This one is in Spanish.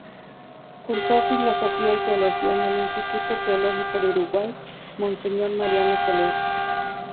Cursó Filosofía y Teología en el Instituto Teológico del Uruguay Monseñor Mariano Soler.